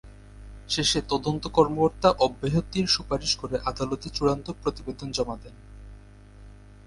শেষে তদন্ত কর্মকর্তা অব্যাহতির সুপারিশ করে আদালতে চূড়ান্ত প্রতিবেদন জমা দেন।